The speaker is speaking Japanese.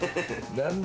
何？